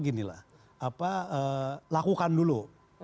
ginilah lakukan dulu